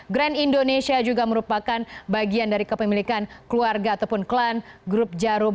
grand indonesia juga merupakan bagian dari kepemilikan keluarga ataupun klan grup jarum